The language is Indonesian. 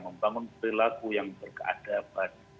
perilaku yang berkeadaban